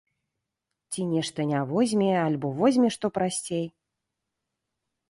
Ці нешта не возьме, альбо возьме што прасцей.